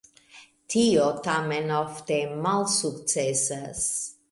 Tio tamen ofte malsukcesas.